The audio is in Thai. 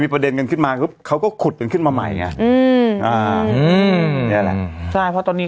มีประเด็นกันขึ้นมาคือเขาก็ขุดกันขึ้นมาใหม่อย่างนี้